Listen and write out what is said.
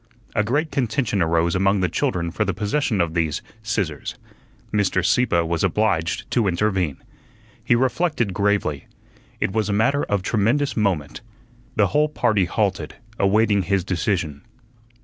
A great contention arose among the children for the possession of these "scissors." Mr. Sieppe was obliged to intervene. He reflected gravely. It was a matter of tremendous moment. The whole party halted, awaiting his decision.